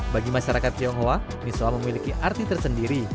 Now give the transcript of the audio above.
bagi masyarakat tionghoa misoa ⁇ memiliki arti tersendiri